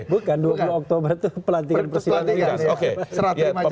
bukan dua puluh oktober itu pelatihan presiden